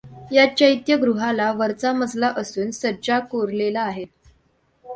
या चैत्यगृहाला वरचा मजला असून सज्जा कोरलेला आहे.